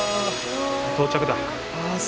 到着だ。